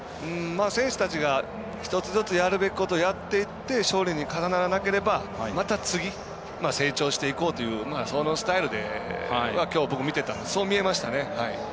選手たちが１つずつやるべきことをやっていって勝利にならなければまた次、成長していこうというようなそのスタイルできょう僕見てたのでそう見えました。